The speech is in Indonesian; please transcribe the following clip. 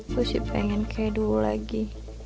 gue sih pengen kayak dulu lagi